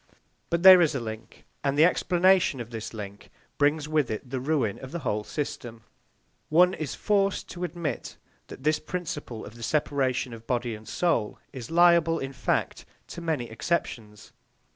But there is a link, and the explanation of this link brings with it the ruin of the whole system. One is forced to admit that this principle of the separation of body and soul is liable, in fact, to many exceptions.